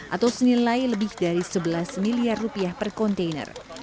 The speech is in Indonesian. atau senilai lebih dari rp sebelas per kontainer